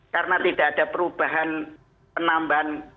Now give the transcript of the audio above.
karena tidak ada perubahan penambahan